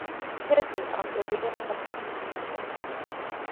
თესლი „აღჭურვილია“ საფრენი ბუსუსებით.